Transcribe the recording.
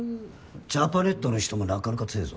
ジャパネットの人もなかなか強ぇぞ。